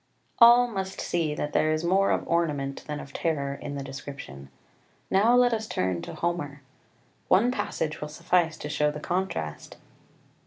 All must see that there is more of ornament than of terror in the description. Now let us turn to Homer. 5 One passage will suffice to show the contrast.